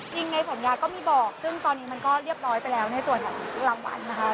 ในสัญญาก็มีบอกซึ่งตอนนี้มันก็เรียบร้อยไปแล้วในส่วนของรางวัลนะคะ